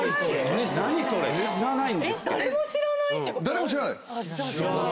誰も知らない？